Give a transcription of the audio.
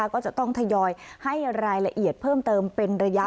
ก็จะต้องทยอยให้รายละเอียดเพิ่มเติมเป็นระยะ